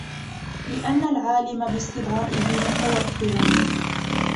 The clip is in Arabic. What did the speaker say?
لِأَنَّ الْعَالِمَ بِاسْتِدْعَائِهِ مُتَوَفِّرٌ